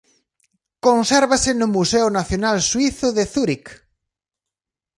Consérvase no Museo Nacional Suízo de Zúric.